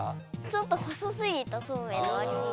ちょっと細すぎたそうめんのわりに。